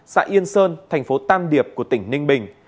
xã yên sơn thành phố tam điệp của tỉnh ninh bình